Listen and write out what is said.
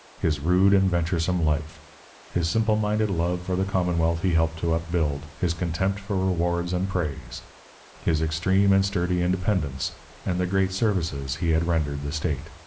His rude and venturesome life, his simple minded love for the commonwealth he helped to upbuild, his contempt for rewards and praise, his extreme and sturdy independence, and the great services he had rendered the state.